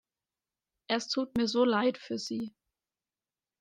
Es tut mir so leid für sie.